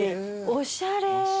おしゃれ。